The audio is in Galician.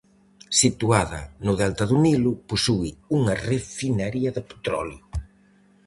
Situada no delta do Nilo, posúe unha refinaría de petróleo.